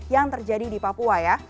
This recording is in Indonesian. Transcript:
yang terjadi di papua ya